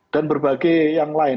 dan berbagai yang lain